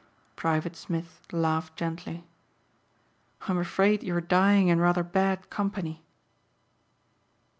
Private Smith laughed gently, "I'm afraid you are dying in rather bad company."